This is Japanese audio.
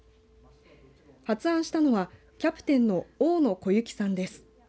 発案したのは、キャプテンの大野心佑来さんです。